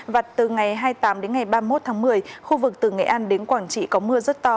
vặt từ ngày hai mươi tám ba mươi một tháng một mươi khu vực từ nghệ an đến quảng trị có mưa rất to